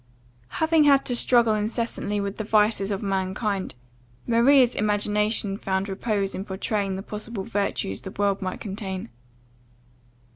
Having had to struggle incessantly with the vices of mankind, Maria's imagination found repose in pourtraying the possible virtues the world might contain.